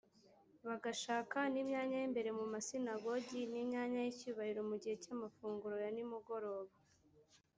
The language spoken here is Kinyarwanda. bagashaka n imyanya y imbere mu masinagogi n imyanya y icyubahiro mu gihe cy amafunguro ya nimugoroba